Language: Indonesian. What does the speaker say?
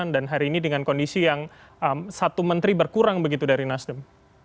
dan hari ini dengan kondisi yang satu menteri berkurang begitu dari nasdem